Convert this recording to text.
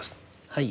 はい。